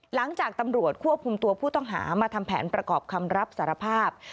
หลังจากตำรวจควบคุมตัวผู้ต้องหามาทำแผนประกอบคำรับสารภาพ